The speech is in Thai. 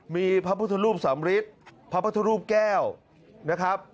มีพระพุทธรูปสำริทพระพุทธรูปแก้วนะครับ